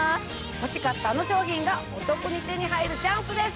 欲しかったあの商品がお得に手に入るチャンスです。